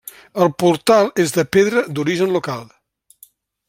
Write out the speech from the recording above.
El portal és de pedra d'origen local.